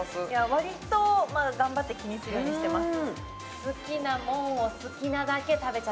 わりとまあ頑張って気にするようにしてます